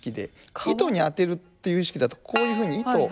糸に当てるという意識だとこういうふうに糸。